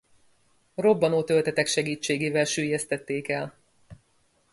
Robbanótöltetek segítségével süllyesztették el.